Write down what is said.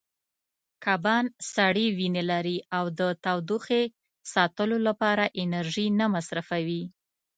کبان سړې وینې لري او د تودوخې ساتلو لپاره انرژي نه مصرفوي.